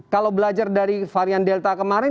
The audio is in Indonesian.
kalau belajar dari varian delta kemarin